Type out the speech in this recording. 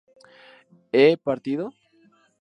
¿he partido?